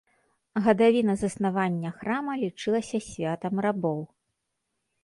Гадавіна заснавання храма лічылася святам рабоў.